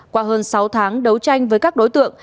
qua hơn sáu tháng đấu tranh với các đối tượng